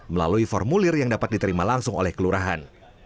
melalui formulir yang dapat diterima langsung oleh kelurahan